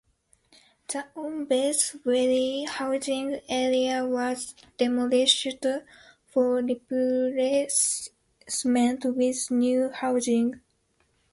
The on-base Wherry housing area was demolished for replacement with new housing.